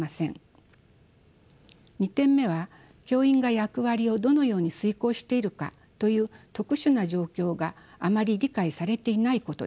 ２点目は教員が役割をどのように遂行しているかという特殊な状況があまり理解されていないことです。